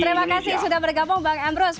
terima kasih sudah bergabung bang emrus